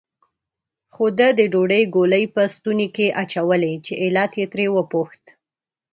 خو ده د ډوډۍ ګولې په لستوڼي کې اچولې، چې علت یې ترې وپوښت.